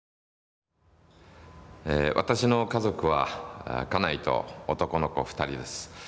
私の家族は家内と男の子２人です。